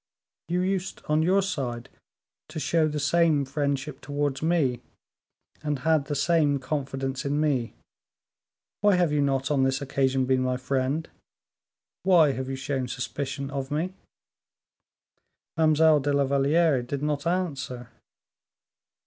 "You used, on your side, to show the same friendship towards me, and had the same confidence in me; why have you not, on this occasion, been my friend, why have you shown suspicion of me?" Mademoiselle de la Valliere did not answer.